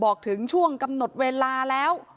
บอกถึงช่วงกำหนดเวลาแล้ว